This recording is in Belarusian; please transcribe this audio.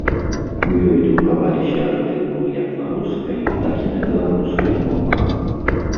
У ёй друкаваліся артыкулы як на рускай, так і на беларускай мовах.